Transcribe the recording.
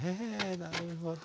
なるほど。